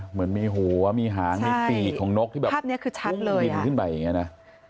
เหมือนมีหัวมีหางมีปีกของนกที่แบบพุ่งหินขึ้นไปอย่างนี้นะ